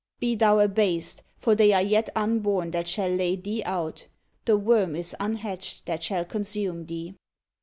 Be thou abased, for they are yet unborn that shall lay thee out; the worm is unhatched that shall consume thee.